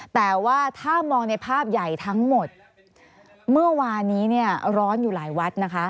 แต่ว่าถ้ามองในภาพใหญ่ทั้งหมดเมื่อวานนี้เนี่ยร้อนอยู่หลายวัดนะคะ